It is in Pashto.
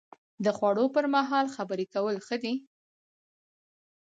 د خوړو پر مهال خبرې کول ښه دي؟